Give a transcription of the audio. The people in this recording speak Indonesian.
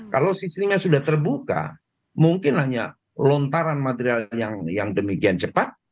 kalau sistemnya sudah terbuka mungkin hanya lontaran material yang demikian cepat